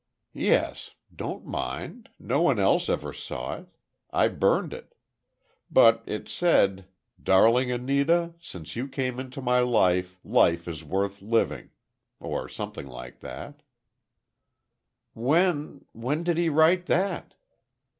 "Yes—don't mind. No one else ever saw it. I burned it. But it said, 'Darling Anita. Since you came into my life, life is worth living'—or something like that—" "When—when did he write that?"